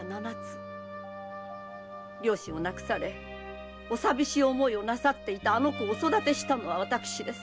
両親を亡くされお寂しい思いをなさっていたあの子をお育てしたのは私です。